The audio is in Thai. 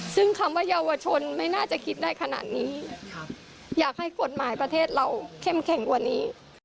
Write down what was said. ซึ่งคำว่าเยาวชนไม่น่าจะคิดได้ขนาดนี้อยากให้กฎหมายประเทศเราเข้มแข็งกว่านี้